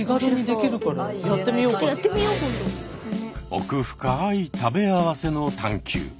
奥深い「食べ合わせ」の探求。